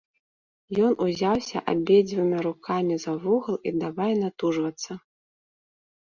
Ён узяўся абедзвюма рукамі за вугал і давай натужвацца.